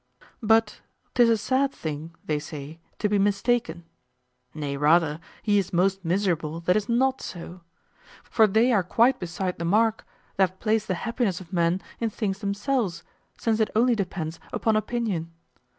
But 'tis a sad thing, they say, to be mistaken. Nay rather, he is most miserable that is not so. For they are quite beside the mark that place the happiness of men in things themselves, since it only depends upon opinion.